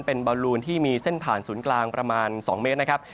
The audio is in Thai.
เป็นบอลลูนที่มีเส้นผ่านศูนย์กลางประมาณ๒เมตรนะครับ